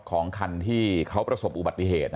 ของคันที่เขาประสบอุบัติเหตุ